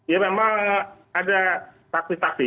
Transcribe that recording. ya memang ada saksi saksi